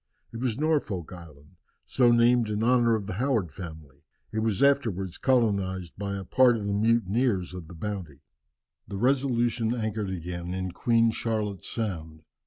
It was Norfolk Island, so named in honour of the Howard family. It was afterwards colonized by a part of the mutineers of the Bounty. The Resolution anchored again in Queen Charlotte's Sound.